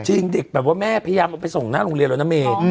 จริงเด็กแบบว่าแม่พยายามเอาไปส่งหน้าโรงเรียนแล้วนะเม